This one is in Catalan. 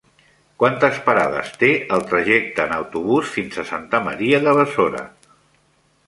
Quantes parades té el trajecte en autobús fins a Santa Maria de Besora?